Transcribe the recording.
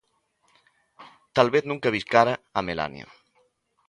Talvez nunca bicara a Melania.